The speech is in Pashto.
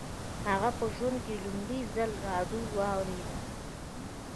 هغه په ژوند کې لومړي ځل راډیو واورېده